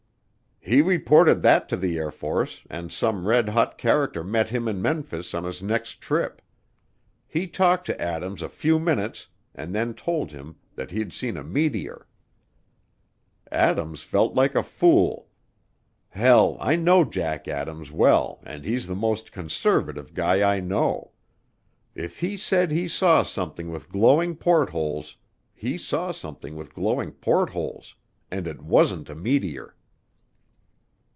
"He reported that to the Air Force and some red hot character met him in Memphis on his next trip. He talked to Adams a few minutes and then told him that he'd seen a meteor. Adams felt like a fool. Hell, I know Jack Adams well and he's the most conservative guy I know. If he said he saw something with glowing portholes, he saw something with glowing portholes and it wasn't a meteor."